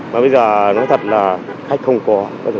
mà bây giờ nói thật là khách không có